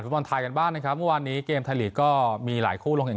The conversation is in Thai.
มันทายกันบ้านนะครับวันนี้เกมไทยอีกก็มีหลายคู่ลงเห็น